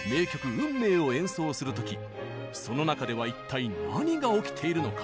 「運命」を演奏する時その中では一体何が起きているのか。